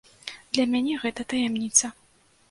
Для мяне гэта таямніца.